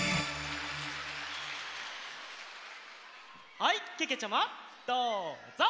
はいけけちゃまどうぞ。